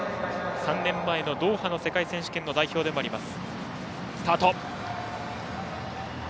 ３年前のドーハの世界選手権の代表でもあります。